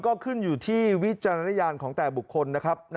ก็ขึ้นอยู่ที่วิจารณญาณของแต่บุคคลนะครับ